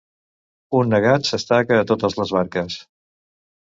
Un negat s'estaca a totes les barques.